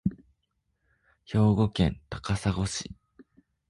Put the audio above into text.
兵庫県高砂市